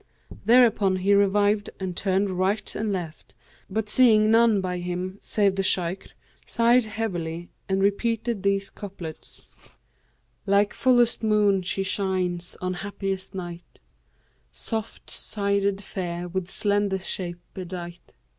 Thereupon he revived and turned right and left, but seeing none by him save the Shaykh, sighed heavily and repeated these couplets, 'Like fullest moon she shines on happiest night, * Soft sided fair, with slender shape bedight.